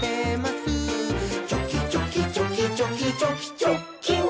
「チョキチョキチョキチョキチョキチョッキン！」